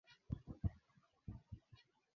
kile tunaweza kuuza huko na tukapata